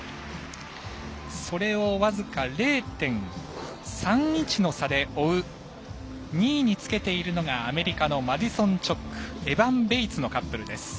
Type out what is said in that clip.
それを僅か０．３１の差で追う２位につけているのがアメリカのマディソン・チョックエバン・ベイツのカップルです。